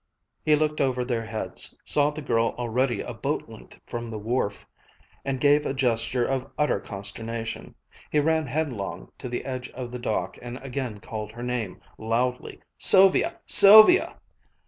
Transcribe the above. He looked over their heads, saw the girl already a boat length from the wharf, and gave a gesture of utter consternation. He ran headlong to the edge of the dock and again called her name loudly, "Sylvia! _Sylvia!